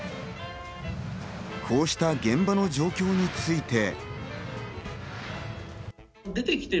こうした現場の状況について。